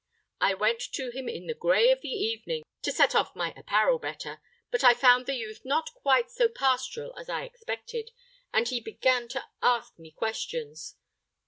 I went to him in the gray of the evening, to set off my apparel the better, but I found the youth not quite so pastoral as I expected, and he began to ask me questions.